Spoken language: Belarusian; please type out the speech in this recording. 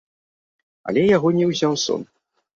Але яго не ўзяў сон.